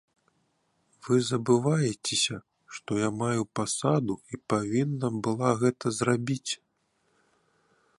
Вы забываецеся, што я маю пасаду і павінна была гэта зрабіць!